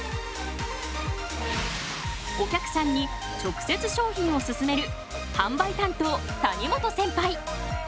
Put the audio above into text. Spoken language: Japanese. お客さんに直接商品をすすめる販売担当谷本センパイ。